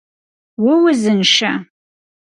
Vuuzınşşe?